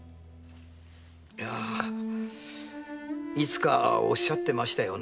いやいつかおっしゃってましたよね。